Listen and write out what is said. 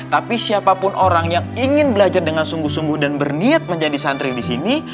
tapi siapapun orang yang ingin belajar dengan sungguh sungguh dan berniat menjadi santri di sini